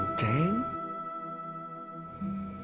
bukan tulang rusuk